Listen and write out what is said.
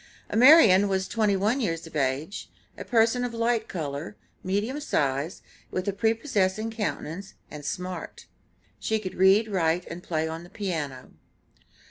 Amarian was twenty one years of age, a person of light color, medium size, with a prepossessing countenance and smart; she could read, write, and play on the piano.